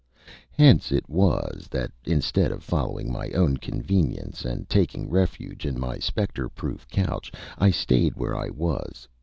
Hence it was that, instead of following my own convenience and taking refuge in my spectre proof couch, I stayed where I was.